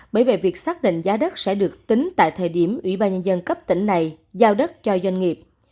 bởi về việc xác định giá đất sẽ được tính tại thời điểm ủy ban nhân dân cấp tỉnh này giao đất cho doanh nghiệp